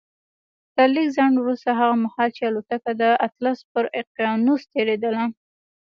تر لږ ځنډ وروسته هغه مهال چې الوتکه د اطلس پر اقيانوس تېرېدله.